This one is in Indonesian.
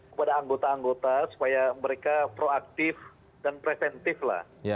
kepada anggota anggota supaya mereka proaktif dan preventif lah